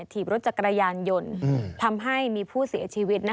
ถีบรถจักรยานยนต์ทำให้มีผู้เสียชีวิต